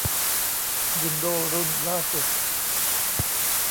วินโดวส์รุ่นล่าสุด